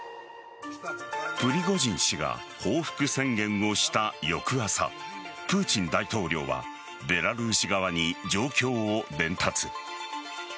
プリゴジン氏が報復宣言をした翌朝プーチン大統領はベラルーシ側に状況を伝達。